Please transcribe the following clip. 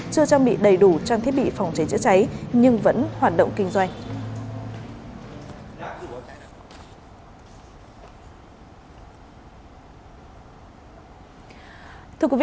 chưa trang bị đầy đủ trang thiết bị phòng cháy chữa cháy nhưng vẫn hoạt động kinh doanh